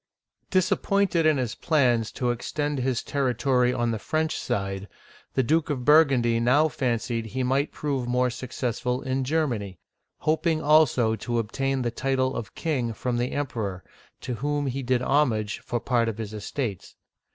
DISAPPOINTED in his plans to extend his territory on the French side, the Duke of Burgundy now fancied he might prove more successful in Germany, hoping also to obtain the title of king from the Emperor, to whom he did homage for part of his estates.